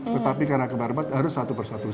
tetapi karena kembar empat harus satu persatu